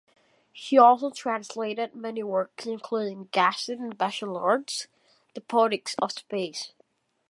She also translated many works, including Gaston Bachelard's "The Poetics of Space".